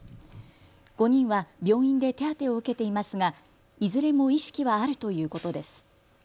５人は病院で手当てを受けていますがいずれも意識はあるということです。